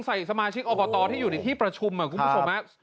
ใส่สมาชิกอบตที่อยู่ในที่ประชุมคุณผู้ชม